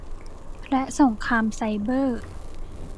และสงครามไซเบอร์